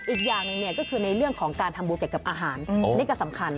อีกอย่างหนึ่งเนี่ยก็คือในเรื่องของการทำบุญเกี่ยวกับอาหารนี่ก็สำคัญ